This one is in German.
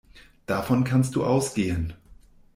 Davon kannst du ausgehen.